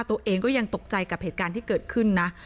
ตัวเองก็ยังตกใจกับเหตุการณ์ที่เกิดขึ้นนะ